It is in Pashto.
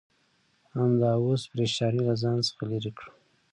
همدا اوس پرېشانۍ له ځان څخه لرې کړه.